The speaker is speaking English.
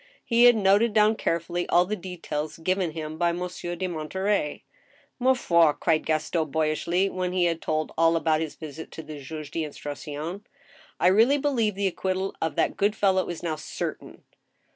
He had noted down carefully all the details given him by Monsieur de Monterey. " Ma foil " cried Gaston, boyishly, when he had told all about his visit to the juge d* instruction, " I really believe the acquittal of that good fellow is now certain